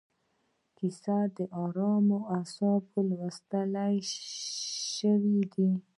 کیسې د ارامو اعصابو د لوست شی دی.